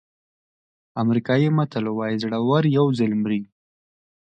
امریکایي متل وایي زړور یو ځل مري.